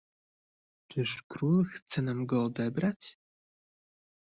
"czyż król chce nam go odebrać?"